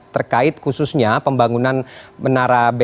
terkait khususnya pembangunan menara bts yang kita tahu bahwa kemarin atau kemudian